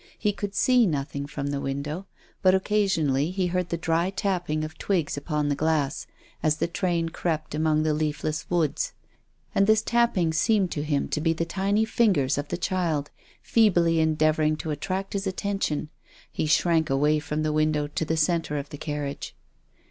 He could see nothing from the window, but occasionally he heard the dry tapping of twigs upon the glass, as the train crept among the leafless woods. And this tap ping seemed to him to be the tiny fingers of the child, feebly endeavouring to attract his attention. He shrank away from the window to the centre of the carriage.